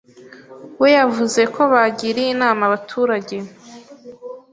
we yavuze ko bagiriye inama abaturage